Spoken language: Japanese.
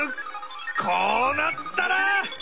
こうなったら！